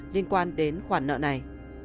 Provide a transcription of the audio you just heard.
liên quan đến khoản nợ này